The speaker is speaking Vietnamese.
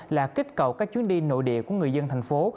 là kích cầu các chuyến đi nội địa của người dân thành phố